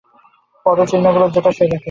পদচিহ্নগুলো যেটার সেটাকে।